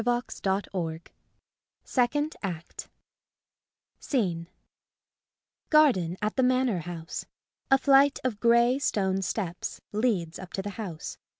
] ACT DROP SECOND ACT SCENE Garden at the Manor House. A flight of grey stone steps leads up to the house.